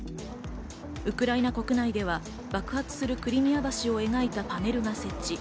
ウクライナ国内では爆発するクリミア橋を描いたパネルが設置。